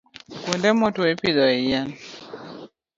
Kuonde motwo ipidhoe yien.